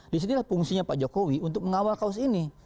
disinilah fungsinya pak jokowi untuk mengawal kaos ini